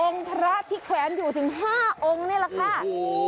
พระที่แขวนอยู่ถึง๕องค์นี่แหละค่ะ